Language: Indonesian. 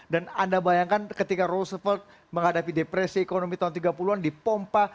dan anda bayangkan ketika roosevelt menghadapi depresi ekonomi tahun tiga puluh an dipompa